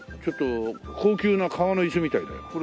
ちょっと高級な革の椅子みたいだよ。